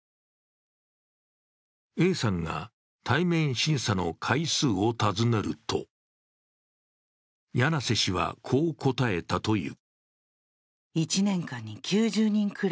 Ａさんが対面審査の回数を尋ねると、柳瀬氏はこう答えたという。